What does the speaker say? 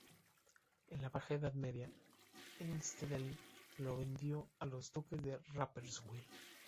En la Baja Edad Media, Einsiedeln lo vendió a los duques de Rapperswil.